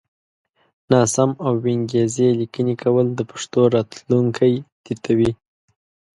ناسم او وينگيزې ليکنې کول د پښتو راتلونکی تتوي